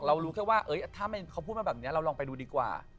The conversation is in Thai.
รู้แค่ว่าถ้าเขาพูดมาแบบนี้เราลองไปดูดีกว่า